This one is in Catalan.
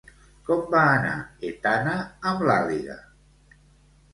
Com va anar Etana amb l'àliga?